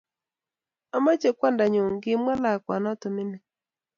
Omoche kwandanyu kimwa lakwanoto mining